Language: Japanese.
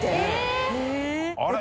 あれ！